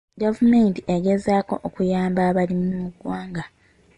Gavumenti egezaako okuyamba abalimi mu ggwanga.